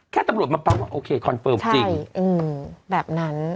ตำรวจมาปั๊บว่าโอเคคอนเฟิร์มจริงแบบนั้น